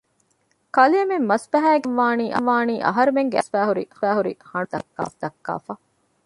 ކަލޭމެން މަސްބަހައިގެން ދާންވާނީ އަހަރުމެންގެ އަތުން ގެނެސްފައިހުރި ހަނޑުލަށް ވެސް ދައްކާފަ